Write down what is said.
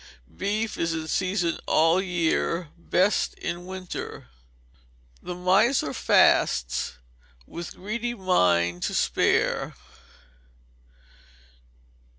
Beef is in season all the year; best in winter. [THE MISER FASTS WITH GREEDY MIND TO SPARE.